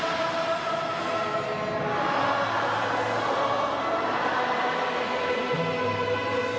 โอ้อินทรีย์